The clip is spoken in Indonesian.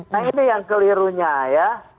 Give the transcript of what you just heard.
nah ini yang kelirunya ya